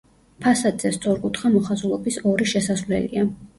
ფასადზე სწორკუთხა მოხაზულობის ორი შესასვლელია.